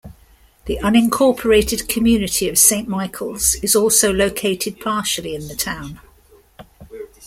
The unincorporated community of Saint Michaels is also located partially in the town.